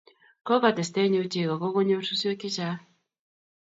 Kokotes tenyu chego kongonyor suswek chechang